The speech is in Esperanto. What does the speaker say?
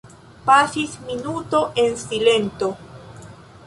Pasis minuto en silento.